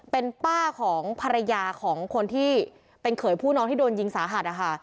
เป็นป้าของภรรยาของคนที่เป็นเขยผู้น้องที่โดนยิงสาหัสนะคะ